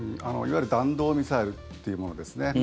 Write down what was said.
いわゆる弾道ミサイルっていうものですね。